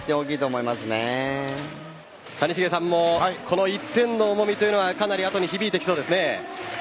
谷繁さんもこの１点の重みというのはかなり後に響いてきそうですね。